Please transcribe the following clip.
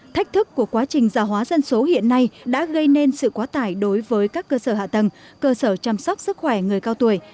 thách thức của quá trình gia hóa dân số hiện nay đã gây nên sự quá tải đối với các cơ sở hạ tầng cơ sở chăm sóc sức khỏe người cao tuổi